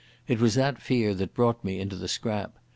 It was that fear that brought me into the scrap.